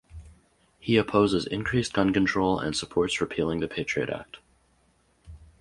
He opposes increased gun control and supports repealing the Patriot Act.